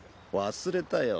忘れたよ。